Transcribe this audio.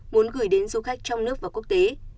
muốn gửi đến du khách trong nước và quốc tế